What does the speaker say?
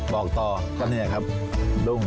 บอกต่อก็เนี่ยครับลุง